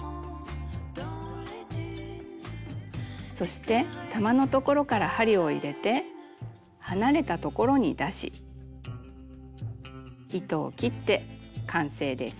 そして玉のところから針を入れて離れたところに出し糸を切って完成です。